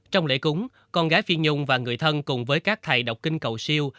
trong lễ cúng con gái phi nhung và người thân cùng với các thầy đọc kinh cầu siêu